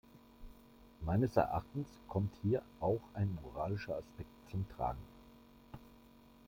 Meines Erachtens kommt hier auch ein moralischer Aspekt zum Tragen.